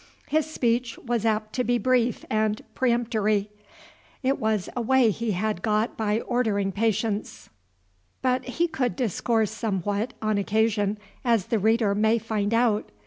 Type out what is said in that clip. His speech was apt to be brief and peremptory; it was a way he had got by ordering patients; but he could discourse somewhat, on occasion, as the reader may find out.